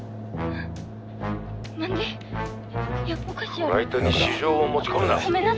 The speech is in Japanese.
フライトに私情を持ち込むな！